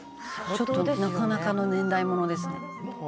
「ちょっとなかなかの年代ものですね」